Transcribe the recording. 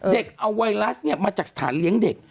เด็กเอาไวรัสมาจากสถานเลี้ยงเด็ก